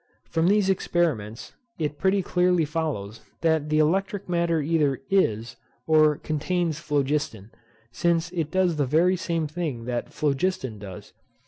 From these experiments it pretty clearly follows, that the electric matter either is, or contains phlogiston; since it does the very same thing that phlogiston does.